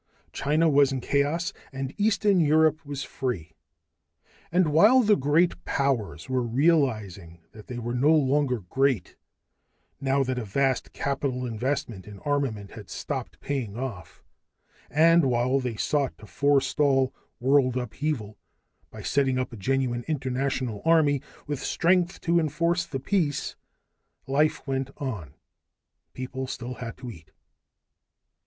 China was in chaos and eastern Europe was free. And while the great powers were realizing that they were no longer great, now that a vast capital investment in armament had stopped paying off; and while they sought to forestall world upheaval by setting up a genuine international army with strength to enforce the peace life went on. People still had to eat.